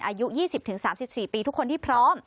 อายุ๒๐๓๔ปีทุกคนที่พร้อม